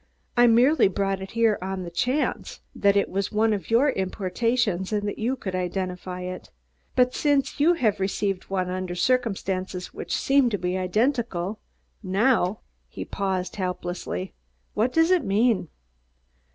I merely brought it here on the chance that it was one of your importations and that you could identify it. But since you have received one under circumstances which seem to be identical, now " He paused helplessly. "What does it mean?"